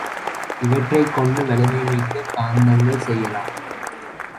இவற்றைக் கொண்டு வலிமை மிக்க காந்தங்கள் செய்யலாம்.